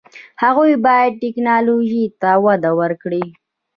هغوی باید ټیکنالوژي ته وده ورکړي.